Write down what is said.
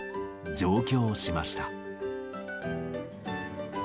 上京しました。